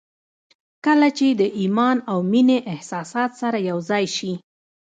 کله چې د ايمان او مينې احساسات سره يو ځای شي.